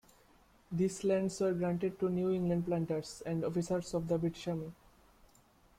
These lands were granted to New England Planters, and officers of the British army.